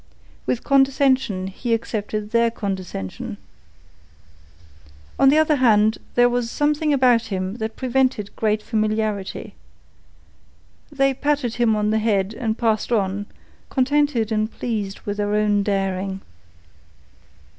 With condescension he accepted their condescension. On the other hand, there was something about him that prevented great familiarity. They patted him on the head and passed on, contented and pleased with their own daring.